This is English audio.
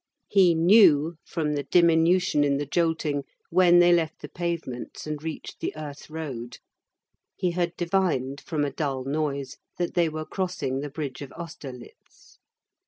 He knew, from the diminution in the jolting, when they left the pavements and reached the earth road. He had divined, from a dull noise, that they were crossing the bridge of Austerlitz.